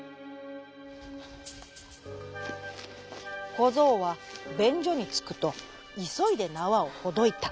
こぞうはべんじょにつくといそいでなわをほどいた。